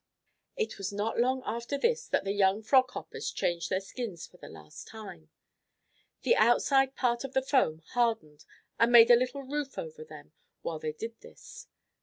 It was not long after this that the young Frog Hoppers changed their skins for the last time. The outside part of the foam hardened and made a little roof over them while they did this.